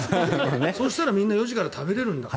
そしたらみんな４時から食べられるんだから。